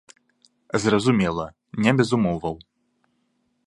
Зразумела, не без умоваў.